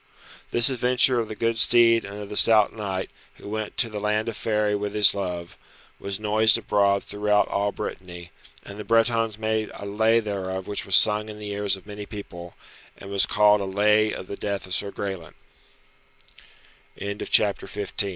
This adventure of the good steed and of the stout knight, who went to the land of faery with his love, was noised abroad throughout all Brittany, and the Bretons made a Lay thereof which was sung in the ears of many people, and was called a Lay of the De